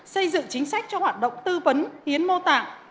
xây dựng chính sách cho hoạt động tư vấn hiến mô tạng